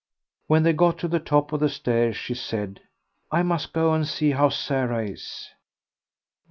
When they got to the top of the stairs she said "I must go and see how Sarah is."